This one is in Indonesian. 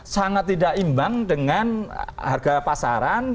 sangat tidak imbang dengan harga pasaran